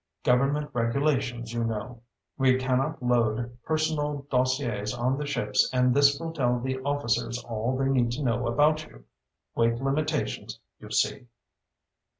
Government regulations, you know. We cannot load personal dossiers on the ships and this will tell the officers all they need to know about you. Weight limitations, you see."